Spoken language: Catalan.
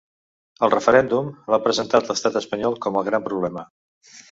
El referèndum, l’ha presentat l’estat espanyol com el gran problema.